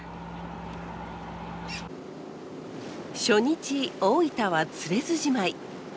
初日「大板」は釣れずじまい。